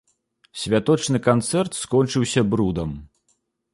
Святочны канцэрт скончыўся брудам.